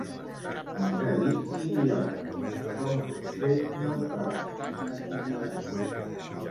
Ens ha dit idiotes, com pot ser neutral?, ha criticat.